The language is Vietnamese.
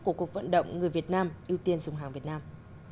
của cuộc vận động người việt nam ưu tiên dùng hàng việt nam